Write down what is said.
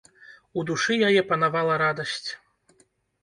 У душы яе панавала радасць.